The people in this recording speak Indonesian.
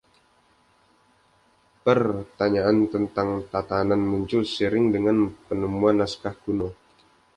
Pertanyaan tentang tatanan muncul seiring dengan penemuan naskah kuno.